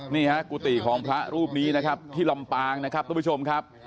นี่ฮะกุฏิของพระรูปนี้นะครับที่ลำปางนะครับทุกผู้ชมครับ